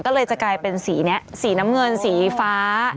ก็เลยจะกลายเป็นสีนี้สีน้ำเงินสีฟ้า